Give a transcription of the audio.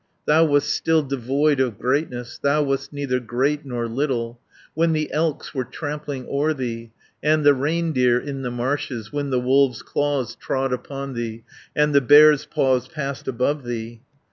"Thou wast still devoid of greatness, Thou wast neither great nor little, When the elks were trampling o'er thee, And the reindeer, in the marshes, When the wolves' claws trod upon thee, And the bears' paws passed above thee.